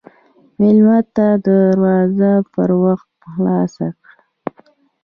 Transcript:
مېلمه ته دروازه پر وخت خلاصه کړه.